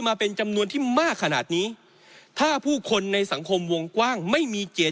มาเป็นจำนวนที่มากขนาดนี้ถ้าผู้คนในสังคมวงกว้างไม่มีเจต